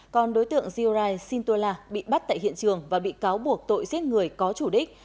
còn đối tượng ziurai sintola bị bắt tại hiện trường và bị cáo buộc tội giết người có chủ đích